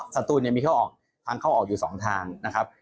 สตูนมีทางเข้าออกอยู่สองทางนะครับ